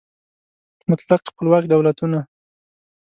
مطلق خپلواک دولتونه